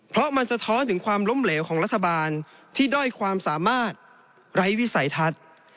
เพราะมันสะท้อนถึงความล้มเหลวของรัฐบาลที่ด้อยความสามารถไร้วิสัยทัศน์